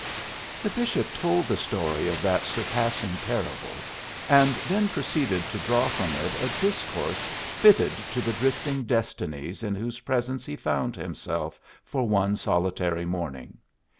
The bishop told the story of that surpassing parable, and then proceeded to draw from it a discourse fitted to the drifting destinies in whose presence he found himself for one solitary morning.